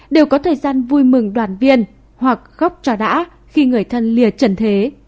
đều có thời gian vui mừng đoàn viên hoặc góc cho đã khi người thân lìa trần thế